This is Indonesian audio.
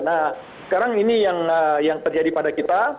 nah sekarang ini yang terjadi pada kita